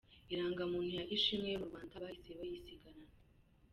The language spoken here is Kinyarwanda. Irangamuntu ya Ishimwe yo mu Rwanda bahise bayisigarana.